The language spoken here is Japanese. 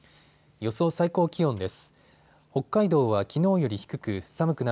予想最高気温です。